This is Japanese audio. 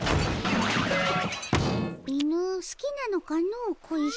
犬好きなのかの小石。